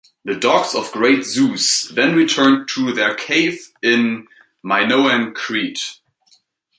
"The dogs of great Zeus" then returned to their "cave in Minoan Crete".